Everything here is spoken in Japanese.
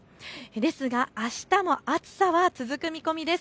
ですが、あしたも暑さは続く見込みです。